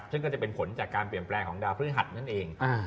ซึ่งก็จะเป็นผลจากการเปลี่ยนแปลงของดาวพฤหัสนั่นเอง